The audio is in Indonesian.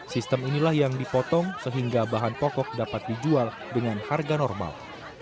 sistem inilah yang dipotong sehingga bahan pokok dapat dijual dengan harga normal